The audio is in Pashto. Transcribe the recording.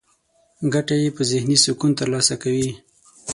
ګټه يې په ذهني سکون ترلاسه کوي.